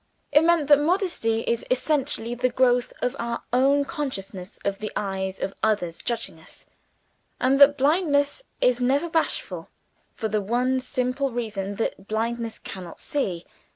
It meant that modesty is essentially the growth of our own consciousness of the eyes of others judging us and that blindness is never bashful, for the one simple reason that blindness cannot see.